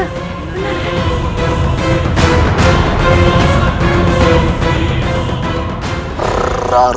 nama gusti prabu di depan para warga